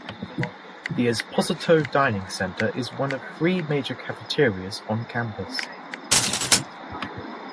The Esposito Dining Center is one of three major cafeterias on campus.